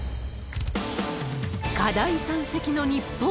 課題山積の日本。